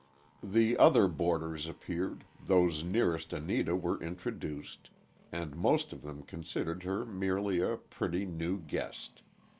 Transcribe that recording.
The other boarders appeared, those nearest Anita were introduced, and most of them considered her merely a pretty, new guest.